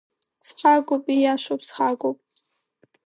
Схагоуп, ииашоуп, схагоуп.